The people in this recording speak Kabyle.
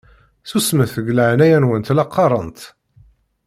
Susmet deg leɛnaya-nwen la qqaṛent!